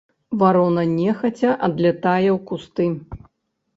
Варона нехаця адлятае ў кусты.